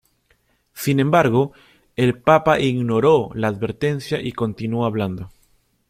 Sin embargo, el Papa ignoró la advertencia y continuó hablando.